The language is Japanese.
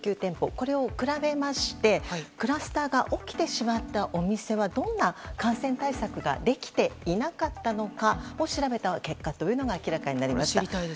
これを比べまして、クラスターが起きてしまったお店はどんな感染対策ができていなかったのかを調べた結果が明らかになりました。